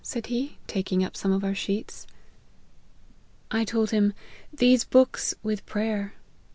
said he, taking up some of our sheets. I told him * These books, with prayer.'